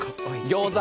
ギョーザ！